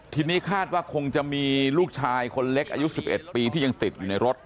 ทีนี้คาดว่าคงจะมีลูกชายคนเล็กอายุ๑๑ปีที่ยังติดอยู่ในรถ